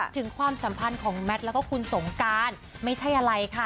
ความสัมพันธ์ของแมทแล้วก็คุณสงการไม่ใช่อะไรค่ะ